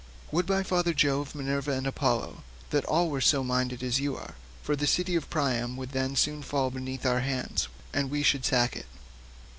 Would, by father Jove, Minerva, and Apollo that all were so minded as you are, for the city of Priam would then soon fall beneath our hands, and we should sack it."